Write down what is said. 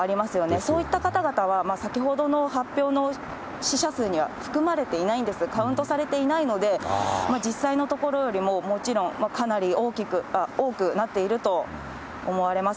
そういった方々は先ほどの発表の死者数には含まれていないんです、カウントされていないので、実際のところよりももちろん、かなり多くなっていると思われます。